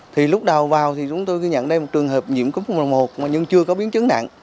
thì lúc đầu vào thì chúng tôi nhận đây một trường hợp nhiễm cúm h một n một nhưng chưa có biến chứng nặng